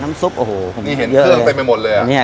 ซุปโอ้โหนี่เห็นเครื่องเต็มไปหมดเลยอ่ะเนี้ย